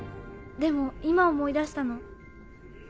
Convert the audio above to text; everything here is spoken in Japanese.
でも今思い出したの。